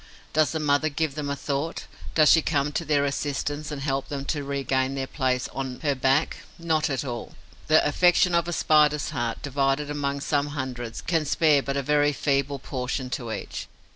Does the mother give them a thought? Does she come to their assistance and help them to regain their place on her back? Not at all. The affection of a Spider's heart, divided among some hundreds, can spare but a very feeble portion to each.